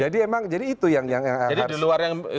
jadi emang jadi itu yang harus